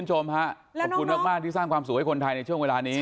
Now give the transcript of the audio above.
ขอบครับมากที่สร้างความสุขให้คนไทยในช่วงเวลานี้